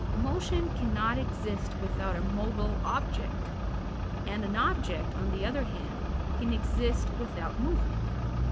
Motion cannot exist without a mobile object; and an object, on the other hand, can exist without movement.